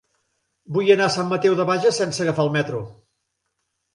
Vull anar a Sant Mateu de Bages sense agafar el metro.